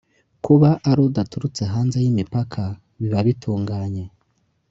kuba ari udaturutse hanze y’imipaka biba bitunganye